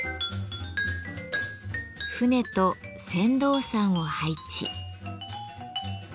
船と船頭さんを配置。